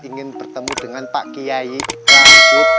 ingin bertemu dengan pak kiai rahid